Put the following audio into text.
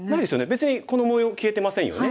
別にこの模様消えてませんよね。